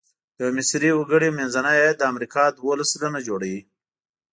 د یوه مصري وګړي منځنی عاید د امریکا دوولس سلنه جوړوي.